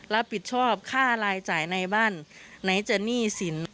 รับผิดชอบค่ารายจ่ายในบ้านไหนจะหนี้สิน